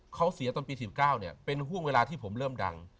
เขาเสียตอนปี๑๙เป็นห่วงเวลาที่ผมเริ่มดัง